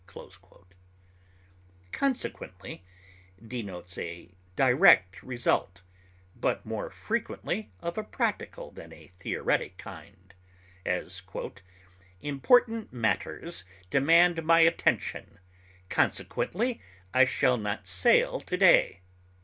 Consequently denotes a direct result, but more frequently of a practical than a theoretic kind; as, "Important matters demand my attention; consequently I shall not sail to day."